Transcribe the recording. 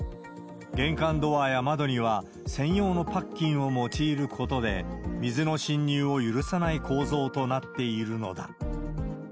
玄関ドアや窓には専用のパッキンを用いることで、水の侵入を許さない構造となっているのだ。